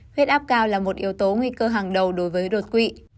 huyết áp cao là một yếu tố nguy cơ hàng đầu đối với đột quỵ